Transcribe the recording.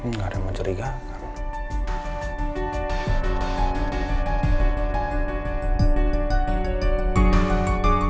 nggak ada yang mencerigakan